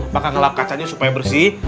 maka ngelap kacanya supaya bersih